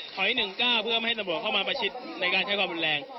ถอย๑ก้าวเพื่อไม่ให้ตอบรวจเข้ามาประชิตในการที่การความรุนแรง